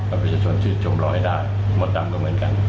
ประชาชนชื่นชมเราให้ได้มดดำก็เหมือนกัน